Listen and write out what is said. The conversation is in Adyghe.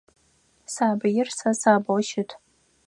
Сабыир сэ сабгъу щыт.